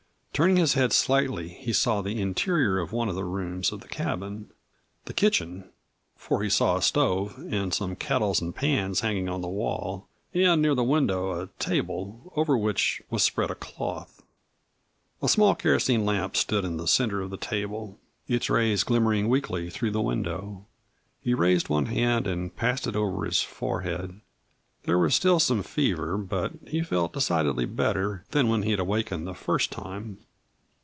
Turning his head slightly, he saw the interior of one of the rooms of the cabin the kitchen, for he saw a stove and some kettles and pans hanging on the wall and near the window a table, over which was spread a cloth. A small kerosene lamp stood in the center of the table, its rays glimmering weakly through the window. He raised one hand and passed it over his forehead. There was still some fever, but he felt decidedly better than when he had awakened the first time.